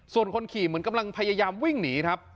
ส่วนคนขี่เหมือนกำลังพยายามวิ่งหนีครับ